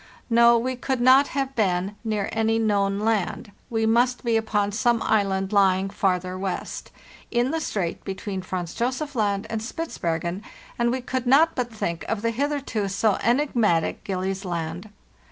No, we could not have been near any known land; we must be upon some island lying farther west, in the strait between Franz Josef Land and Spitzbergen ; and we could not but think of the hitherto so enigmatic Gillies Land.